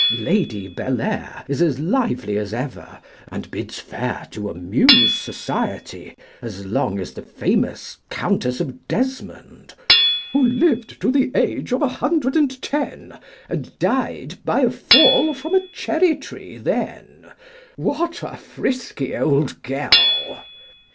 Lady Bellair is as lively as ever, and bids fair to amuse society as long as the famous Countess of Desmond, Who lived to the age of a hundred and ten, And died by a fall from a cherry tree then; What a frisky old girl!